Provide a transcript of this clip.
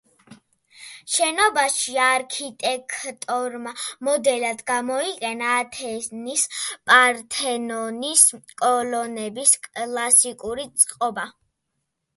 შენობაში არქიტექტორმა მოდელად გამოიყენა ათენის პართენონის კოლონების კლასიკური წყობა.